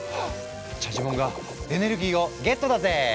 チャジモンがエネルギーをゲットだぜ！